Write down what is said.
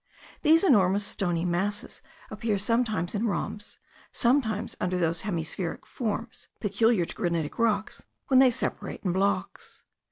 These enormous stony masses appear sometimes in rhombs, sometimes under those hemispheric forms, peculiar to granitic rocks when they separate in blocks.